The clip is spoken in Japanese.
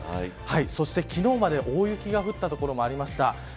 そして、昨日まで大雪が降った所もありました。